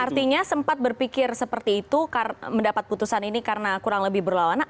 artinya sempat berpikir seperti itu mendapat putusan ini karena kurang lebih berlawanan